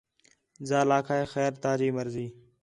ذال آکھا ہے خیر تا جی مرضی